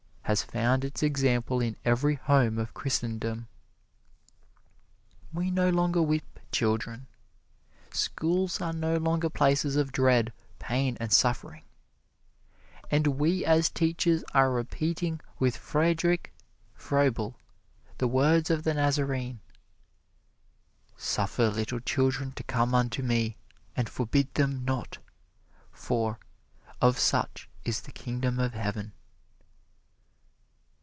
has found its example in every home of Christendom. We no longer whip children. Schools are no longer places of dread, pain and suffering, and we as teachers are repeating with Friedrich Froebel the words of the Nazarene, "Suffer little children to come unto me, and forbid them not, for of such is the Kingdom of Heaven."